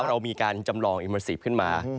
เรามีการจำลองอิเมอร์ซีฟขึ้นมา